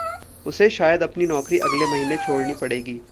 उसे शायद अपनी नौकरी अगले महीने छोड़नी पड़ेगी।